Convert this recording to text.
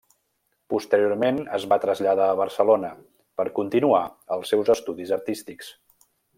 Posteriorment es va traslladar a Barcelona per continuar els seus estudis artístics.